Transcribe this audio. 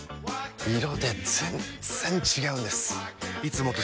色で全然違うんです！